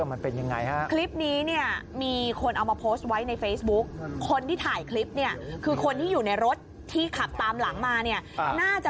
มันมีอยู่มันขึ้นลำ